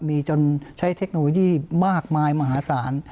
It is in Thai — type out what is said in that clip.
มีจนใช้เทคโนโลยีมากมายมหาศาล